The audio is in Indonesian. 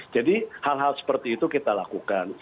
jadi hal hal seperti itu kita lakukan